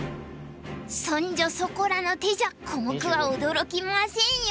そんじょそこらの手じゃコモクは驚きませんよ！